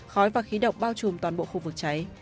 khói và khí độc bao trùm toàn bộ khu vực cháy